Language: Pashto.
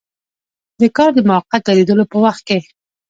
د کار د موقت دریدلو په وخت کې.